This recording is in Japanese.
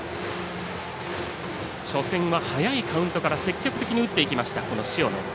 初戦は早いカウントから積極的に打っていった塩野。